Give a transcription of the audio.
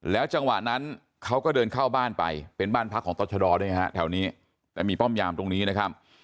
จังหวะนั้นเขาก็เดินเข้าบ้านไปเป็นบ้านพักของตรชดด้วยฮะแถวนี้แต่มีป้อมยามตรงนี้นะครับ